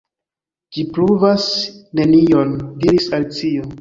"Ĝi pruvas nenion," diris Alicio.